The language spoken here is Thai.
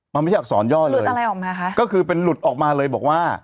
มันไม่ใช่อักษรย่อเลยหลุดอะไรออกมาคะก็คือเป็นหลุดออกมาเลยบอกว่า